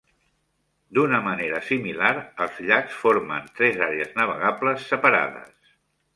D'una manera similar, els llacs formen tres àrees navegables separades.